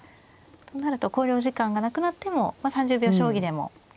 となると考慮時間がなくなっても３０秒将棋でも決断していける。